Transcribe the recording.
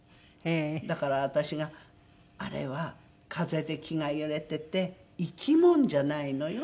だから私が「あれは風で木が揺れてて生き物じゃないのよ」って。